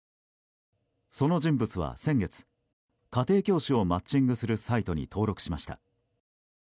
その人物は先月、家庭教師をマッチングするサイトに登録しました。